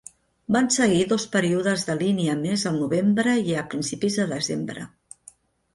Van seguir dos períodes de línia més al novembre i a principis de desembre.